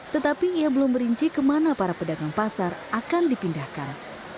tetapi ia belum merinci kemana para pedagang pasar akan dipindahkan